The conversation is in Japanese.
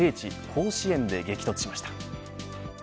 甲子園で激突しました。